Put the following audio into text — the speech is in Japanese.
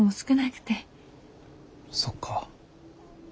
そっか。